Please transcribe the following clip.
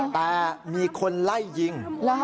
แต่มีคนไล่ยิง